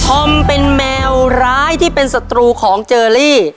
อมเป็นแมวร้ายที่เป็นศัตรูของเจอรี่